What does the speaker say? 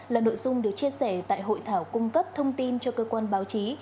là nội dung được chia sẻ tại hội thảo cung cấp thông tin cho cơ quan báo chí